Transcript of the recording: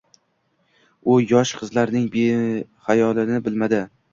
U yosh qizlarning behayolini bilmadi.